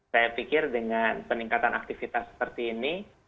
saya pikir dengan peningkatan aktivitas seperti ini